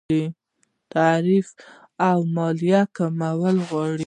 تعرفې او مالیې کمول غواړي.